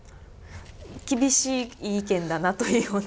厳しい意見だなというような。